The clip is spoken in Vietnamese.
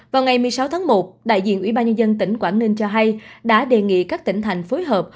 vào ngày một mươi sáu tháng một đại diện ủy ban nhân dân tỉnh quảng ninh cho hay đã đề nghị các tỉnh thành phối hợp